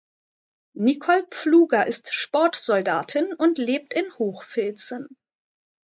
Nicole Pfluger ist Sportsoldatin und lebt in Hochfilzen.